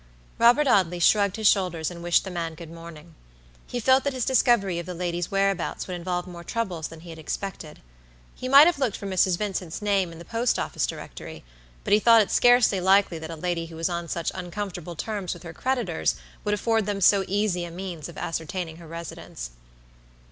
Robert Audley shrugged his shoulders and wished the man good morning. He felt that his discovery of the lady's whereabouts would involve more trouble than he had expected. He might have looked for Mrs. Vincent's name in the Post Office directory, but he thought it scarcely likely that a lady who was on such uncomfortable terms with her creditors, would afford them so easy a means of ascertaining her residence.